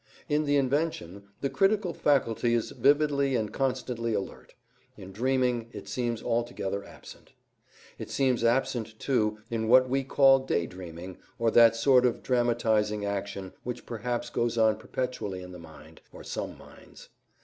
In the invention, the critical faculty is vividly and constantly alert; in dreaming, it seems altogether absent. It seems absent, too, in what we call day dreaming, or that sort of dramatizing action which perhaps goes on perpetually in the mind, or some minds.